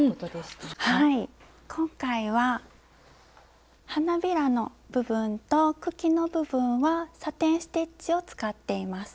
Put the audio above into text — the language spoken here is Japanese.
今回は花びらの部分と茎の部分はサテン・ステッチを使っています。